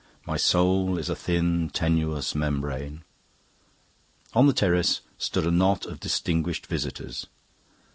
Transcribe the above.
"My soul is a thin, tenuous membrane..." On the terrace stood a knot of distinguished visitors.